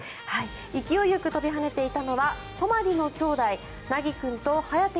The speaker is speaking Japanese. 勢いよく跳びはねていたのはソマリの兄弟ソマリ？